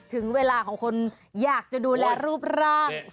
ถึงเวลาของคนอยากจะดูแลรูปร่าง